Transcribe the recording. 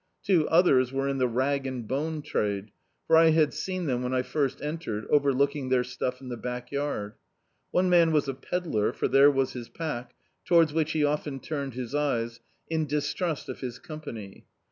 Two others were in the rag and bone trade, for I had seen them when I first entered, overlooking their stuff in the backyard. One man was a pedlar, for there was his pack, to wards which he often turned his eyes, in distrust of his company.